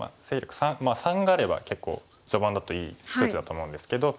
３があれば結構序盤だといい数値だと思うんですけど。